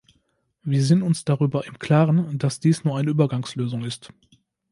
Wir sind uns darüber im Klaren, dass dies nur eine Übergangslösung ist.